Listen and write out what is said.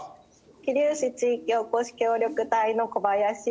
桐生市地域おこし協力隊の小林です。